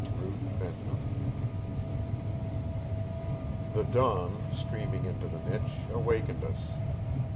RUTH VENTNOR The dawn, streaming into the niche, awakened us.